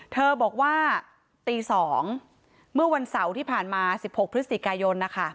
เธอบอกว่าตี๒เมื่อวันเสาร์ที่ผ่านมา๑๖พฤศจิกายนนะคะ